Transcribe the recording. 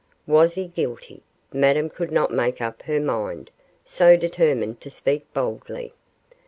Was he guilty? Madame could not make up her mind, so determined to speak boldly.